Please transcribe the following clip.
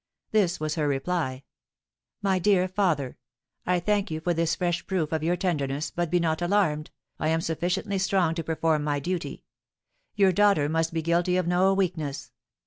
This was her reply: "My dear Father: I thank you for this fresh proof of your tenderness, but be not alarmed, I am sufficiently strong to perform my duty. Your daughter must be guilty of no weakness.